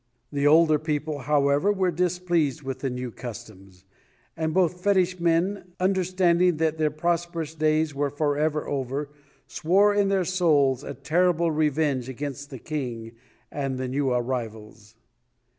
The older people, however, were displeased with the new customs, and both fetish men, understanding that their prosperous days were forever over, swore in their souls a terrible revenge against the king and the new arrivals.